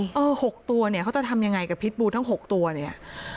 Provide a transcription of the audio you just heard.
๖ตัวเนี่ยเขาจะทำยังไงกับพิษบูทั้ง๖ตัวเนี่ย